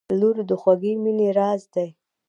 • لور د خوږې مینې راز دی.